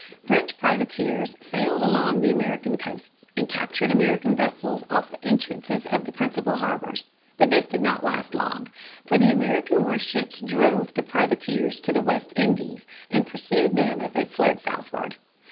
French privateers sailed along the American coasts and captured American vessels off the entrances of the principal harbors. But this did not last long. For the American warships drove the privateers to the West Indies and pursued them as they fled southward.